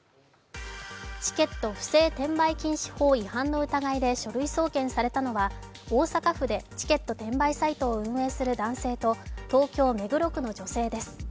チケット不正転売禁止法違反の疑いで書類送検されたのは大阪府でチケット転売サイトを運営する男性と東京・目黒区の女性です。